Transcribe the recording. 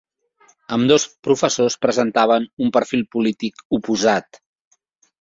Ambdós professors presentaven un perfil polític oposat.